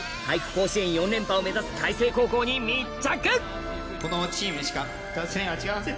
甲子園４連覇を目指す開成高校に密着！